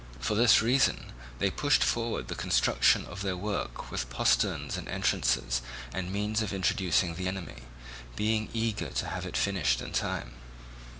For this reason they pushed forward the construction of their work with posterns and entrances and means of introducing the enemy, being eager to have it finished in time.